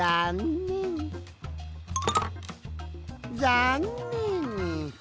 ざんねん。